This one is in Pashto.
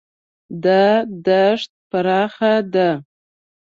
دا دښت پراخه ده.